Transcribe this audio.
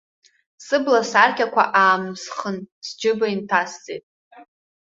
Сыбласаркьақәа аамсхын сџьыба инҭасҵеит.